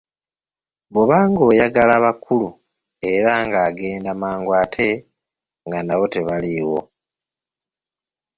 Bwaba ng'ayagala bakulu era ng'agenda mangu ate nga nabo tebaliwo.